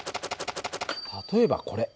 例えばこれ。